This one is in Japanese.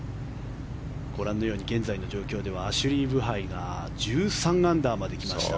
ご覧のように現在の状況ではアシュリー・ブハイが１３アンダーまで来ました。